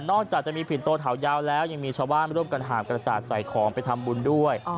จากจะมีปินโตเถายาวแล้วยังมีชาวบ้านร่วมกันหาบกระจาดใส่ของไปทำบุญด้วย